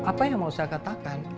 apa yang mau saya katakan